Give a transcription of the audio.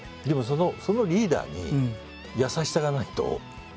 でもそのリーダーに優しさがないと。